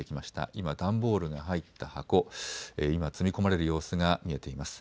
今段ボールが入った箱、今積み込まれる様子が見えています。